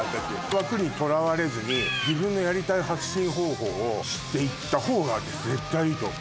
枠にとらわれずに自分のやりたい発信方法をして行ったほうが絶対いいと思う。